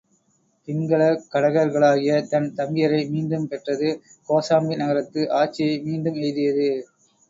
பிங்கல கடகர்களாகிய தன் தம்பியரை மீண்டும் பெற்றது, கோசாம்பி நகரத்து ஆட்சியை மீண்டும் எய்தியது.